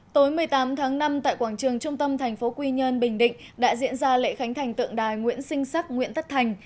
tối một mươi tám tháng năm tại quảng trường trung tâm thành phố quy nhơn bình định đã diễn ra lễ khánh thành tượng đài nguyễn sinh sắc nguyễn tất thành